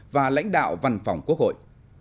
và lãnh đạo văn phòng quốc hội